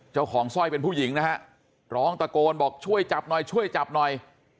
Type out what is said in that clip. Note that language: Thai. สร้อยเป็นผู้หญิงนะฮะร้องตะโกนบอกช่วยจับหน่อยช่วยจับหน่อย